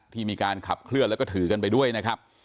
มีการขับเคลื่อนแล้วก็ถือกันไปด้วยนะครับ